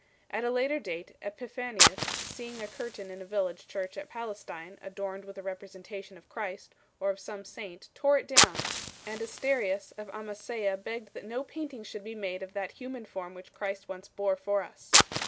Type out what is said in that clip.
At a later date Epiphanius 3 , seeing a curtain in a village church in Palestine adorned with a representation of Christ or of some saint tore it down ; and Asterius of Amasea 4 begged that no paintings should be made of that human form which Christ once bore for us.